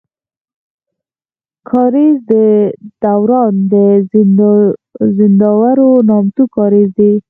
کاريز دوران د زينداور نامتو کاريز دی.